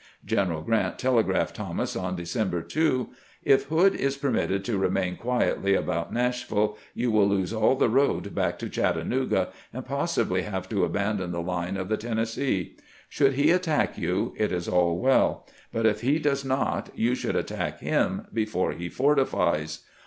Greneral Grrant telegraphed Thomas on December 2 : "If Hood is per mitted to remain quietly about Nashville, you will lose aU the road back to Chattanooga, and possibly have to abandon the line of the Tennessee. Should he attack you, it is all weU; but if he does not, you should attack him before he fortifies.